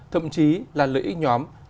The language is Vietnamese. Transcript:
thậm chí là lợi ích nhóm